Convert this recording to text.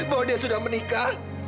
bahwa dia sudah menikah